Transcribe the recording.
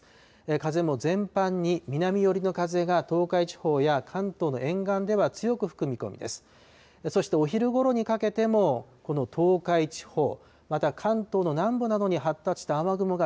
風も全般に南寄りの風が東海地方や関東の沿岸では強く吹く見込みです。